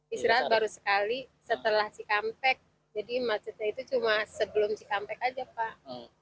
istirahat baru sekali setelah cikampek jadi macetnya itu cuma sebelum cikampek aja pak